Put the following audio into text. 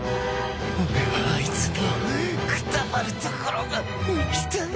俺はあいつのくたばるところが見たい。